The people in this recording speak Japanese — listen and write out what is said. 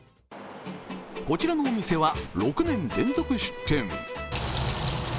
こちらのお店は６年連続出店。